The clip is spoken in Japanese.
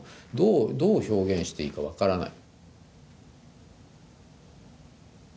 どう表現していいか分からない。